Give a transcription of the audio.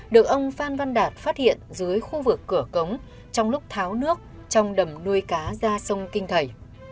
được ông phan văn đạt phát hiện dưới khu vực cửa cống trong lúc tháo nước trong đầm nuôi cá ra sông kinh thầy